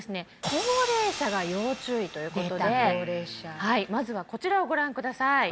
高齢者が要注意ということではいまずはこちらをご覧ください